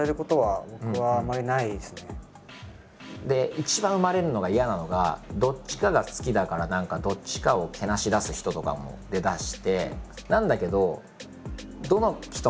一番生まれるのが嫌なのがどっちかが好きだから何かどっちかをけなしだす人とかも出だして。